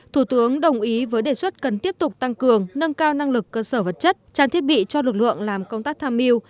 thủ tướng đồng ý với đề xuất cần tiếp tục tăng cường nâng cao năng lực cơ sở vật chất trang thiết bị cho lực lượng làm công tác tham mưu